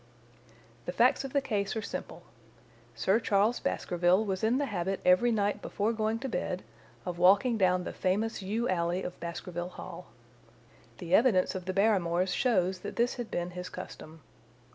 "The facts of the case are simple. Sir Charles Baskerville was in the habit every night before going to bed of walking down the famous yew alley of Baskerville Hall. The evidence of the Barrymores shows that this had been his custom.